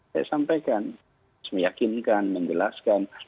saya sampaikan meyakinkan menjelaskan